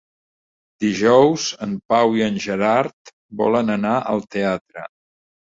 Dijous en Pau i en Gerard volen anar al teatre.